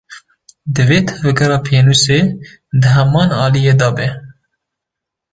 Divê tevgera pênûsê di heman aliyî de be.